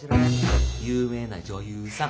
有名な女優さん。